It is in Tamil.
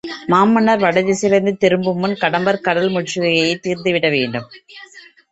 மாமன்னர் வடதிசையிலிருந்து திரும்பு முன் கடம்பர் கடல் முற்றுகையைத் தீர்த்துவிடவேண்டும்.